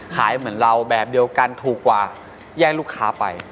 เหมือนเราแบบเดียวกันถูกกว่าแย่งลูกค้าไป